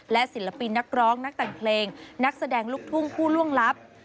และศิลปินนักร้องนักแต่งเพลงนักแสดงลูกทุ่งผู้ล่วงลับ